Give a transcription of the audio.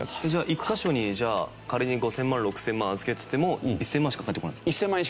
１カ所にじゃあ仮に５０００万６０００万預けてても１０００万円しか返ってこないんですか？